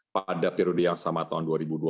pada periode yang sama tahun dua ribu dua puluh